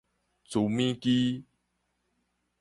輜物機